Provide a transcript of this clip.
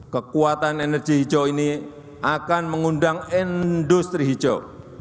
kekuatan energi hijau ini akan mengundang industri hijau